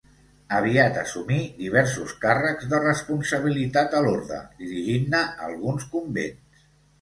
Aviat assumí diversos càrrecs de responsabilitat a l'orde, dirigint-ne alguns convents.